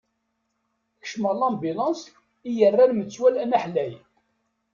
Kecmeɣ lambilanṣ i yerran metwal anaḥlay.